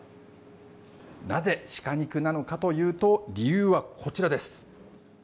なぜ、鹿肉なのかというと、理由はこちらです。